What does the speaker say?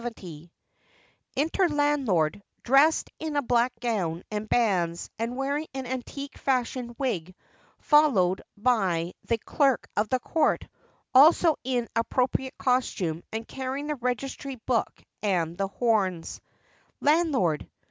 ] Enter LANDLORD, dressed in a black gown and bands, and wearing an antique fashioned wig, followed by the CLERK OF THE COURT, also in appropriate costume, and carrying the registry book and the horns. Landlord.